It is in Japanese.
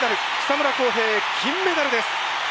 草村航平金メダルです！